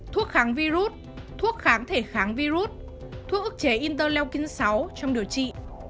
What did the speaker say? thuốc kháng virus thuốc kháng thể kháng virus thuốc ức chế interleukin sáu trong điều trị